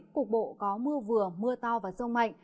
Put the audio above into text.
cục bộ có mưa vừa mưa to và rông mạnh